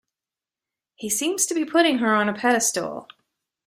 He seems to be putting her on a pedestal.